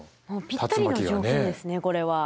ぴったりの条件ですねこれは。